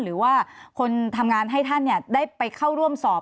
หรือว่าคนทำงานให้ท่านได้ไปเข้าร่วมสอบ